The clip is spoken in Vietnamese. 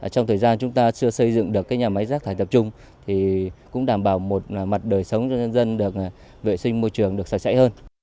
trong thời gian chúng ta chưa xây dựng được cái nhà máy rác thải tập trung thì cũng đảm bảo một mặt định